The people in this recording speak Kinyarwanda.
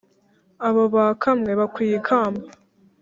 Abo bakamwe bakwiye ikamba